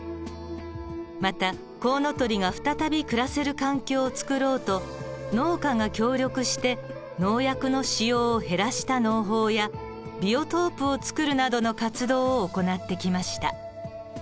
またコウノトリが再び暮らせる環境を作ろうと農家が協力して農薬の使用を減らした農法やビオトープを作るなどの活動を行ってきました。